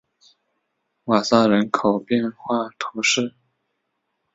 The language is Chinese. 瓦塞人口变化图示